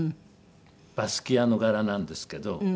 バスキアの柄なんですけど。